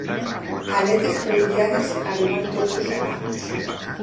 Aletes pelvianes arribant tot just a l'anus.